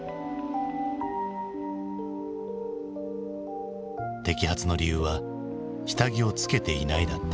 摘発の理由は「下着をつけていない」だった。